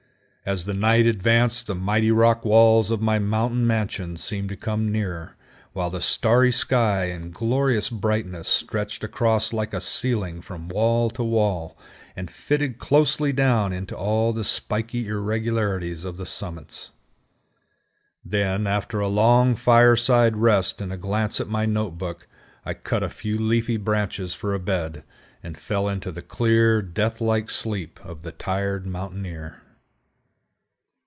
As the night advanced the mighty rock walls of my mountain mansion seemed to come nearer, while the starry sky in glorious brightness stretched across like a ceiling from wall to wall, and fitted closely down into all the spiky irregularities of the summits. Then, after a long fireside rest and a glance at my note book, I cut a few leafy branches for a bed, and fell into the clear, death like sleep of the tired mountaineer.